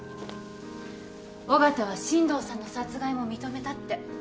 尾形は進藤さんの殺害も認めたって。